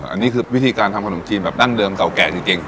อันนี้คือวิธีการทำขนมจีนแบบดั้งเดิมเก่าแก่จริง